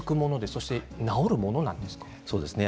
そして治るものですか？